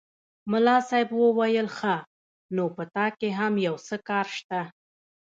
ملا صاحب وویل ښه! نو په تا کې هم یو څه کار شته.